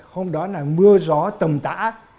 hôm đó là mưa gió tầm tã